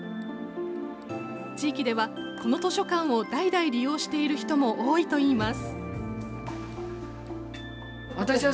地域では、この図書館を代々利用している人も多いといいます。